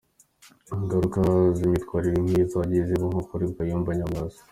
Ingaruka z’imyatwarire nk’iyo nizo zagiye ziba nko kuri Kayumba Nyamwasa.